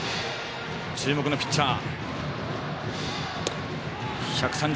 注目のピッチャー。